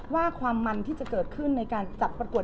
ว่าความมันที่จะเกิดขึ้นในการจัดประกวด